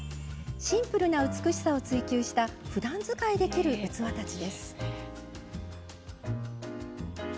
シンプルな美しさを追求したふだん使いできる器たちです。